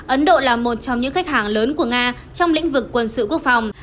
ấn độ là một trong những khách hàng lớn của nga trong lĩnh vực quân sự quốc phòng